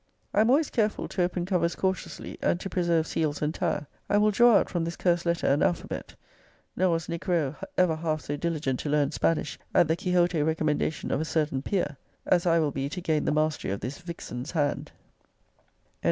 I am always careful to open covers cautiously, and to preserve seals entire. I will draw out from this cursed letter an alphabet. Nor was Nick Rowe ever half so diligent to learn Spanish, at the Quixote recommendation of a certain peer, as I will be to gain the mastery of this vixen's hand.